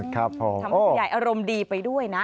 ครับผมโอ้โฮทำให้คุณยายอารมณ์ดีไปด้วยนะ